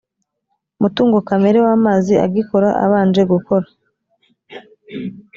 mutungo kamere w amazi agikora abanje gukora